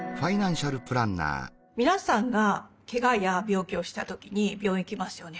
皆さんがけがや病気をしたときに病院行きますよね。